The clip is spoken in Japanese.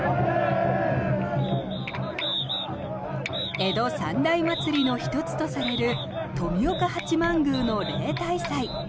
江戸三大祭りの１つとされる富岡八幡宮の例大祭